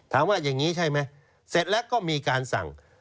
ถามว่าอย่างนี้ใช่ไหมเสร็จแล้วก็มีการสั่ง